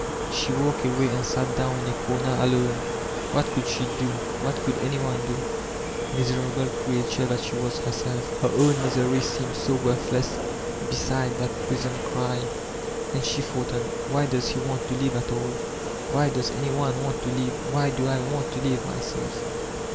She walked away and sat down in a comer akme; what could she do, what couM any one do? Mia* erable creature that she was herself, her own misery seemed so worthless beside that prison cry. And she thought on, "Why does he want to live at all, why does any one want to live, why do I want to live myself?"